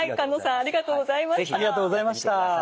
ありがとうございます。